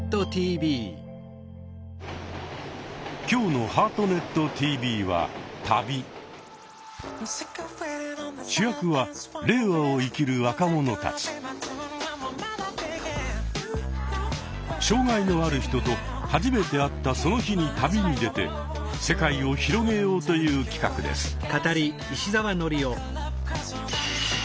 今日の「ハートネットＴＶ」は障害のある人と初めて会ったその日に旅に出て世界を広げようという企画です。